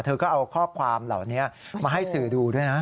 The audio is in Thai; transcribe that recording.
เธอก็เอาข้อความเหล่านี้มาให้สื่อดูด้วยนะ